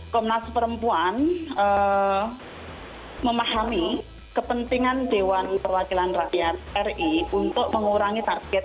komnas perempuan memahami kepentingan dewan perwakilan rakyat ri untuk mengurangi target